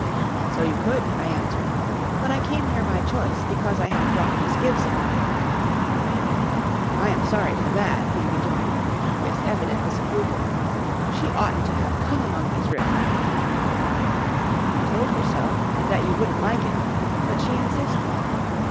"So you could," I answered. "But I came here by choice because I have brought Miss Gibson with me." "I am sorry for that," he rejoined, with evident disapproval; "she oughtn't to have come among these riff raff." "I told her so, and that you wouldn't like it, but she insisted."